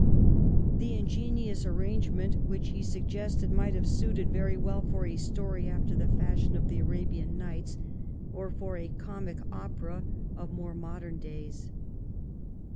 The ingenious arrangement which he sug 1709 THE DUKE OF ORLEANS. 35 gested might have suited very well for a story after the fashion of the ' Arabian Nights,' or for a comic opera of more modern days.